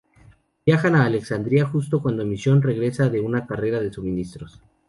Viajan a Alexandría, justo cuando Michonne regresa de una carrera de suministros.